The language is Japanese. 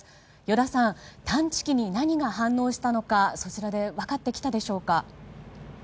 依田さん探知器に何が反応したのかそちらで分かってきたでしょうか。